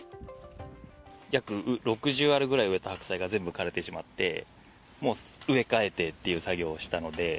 約６０アールぐらい植えた白菜が全部枯れてしまって、もう植え替えてっていう作業をしたので。